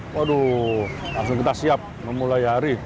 waduh langsung kita siap memulai hari